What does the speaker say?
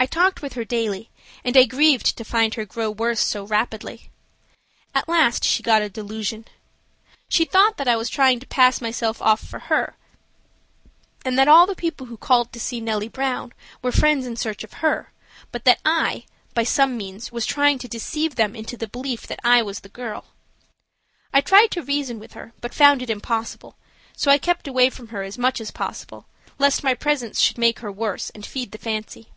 I talked with her daily, and I grieved to find her grow worse so rapidly. At last she got a delusion. She thought that I was trying to pass myself off for her, and that all the people who called to see Nellie Brown were friends in search of her, but that I, by some means, was trying to deceive them into the belief that I was the girl. I tried to reason with her, but found it impossible, so I kept away from her as much as possible, lest my presence should make her worse and feed the fancy.